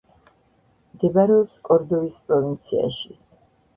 მდებარეობს კორდოვის პროვინციაში.